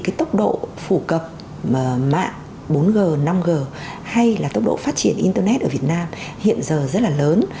cái tốc độ phổ cập mạng bốn g năm g hay là tốc độ phát triển internet ở việt nam hiện giờ rất là lớn